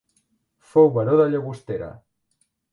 Fou baró de Llagostera.